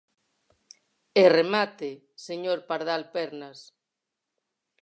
E remate, señor Pardal Pernas.